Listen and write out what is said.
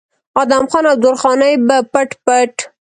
ادم خان او درخانۍ به پټ پټ